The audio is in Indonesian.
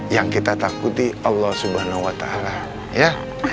yang kita takuti allah subhanahu wa ta'ala ya